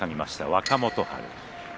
若元春。